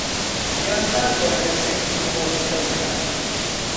یان ناتوانێ سەیری گڵۆپەکە بکات